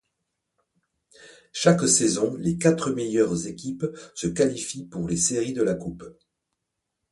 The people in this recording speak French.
Chaque saison, les quatre meilleures équipes se qualifient pour les séries de la Coupe.